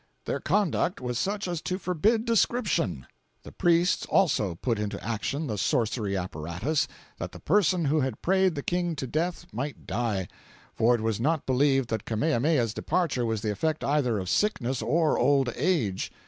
Their conduct was such as to forbid description; The priests, also, put into action the sorcery apparatus, that the person who had prayed the King to death might die; for it was not believed that Kamehameha's departure was the effect either of sickness or old age.